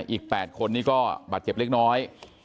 อีก๘คนนี้ก็บาดเจ็บเล็กน้อย